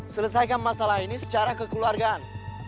selesaikan masalah ini secara kekeluargaan